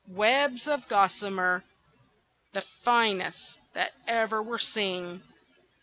webs of gossamer, the finest that ever were seen!